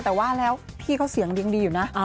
แต่ว่าแล้วพี่เขาเสียงยังดีอยู่นะ